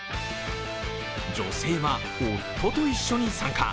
女性は、夫と一緒に参加。